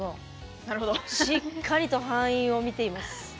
しっかりと敗因を見ています。